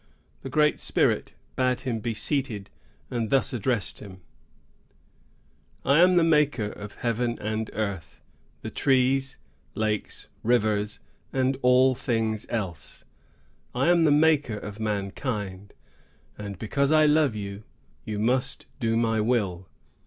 The Great Spirit bade him be seated, and thus addressed him:—— "'I am the Maker of heaven and earth, the trees, lakes, rivers, and all things else. I am the Maker of mankind; and because I love you, you must do my will.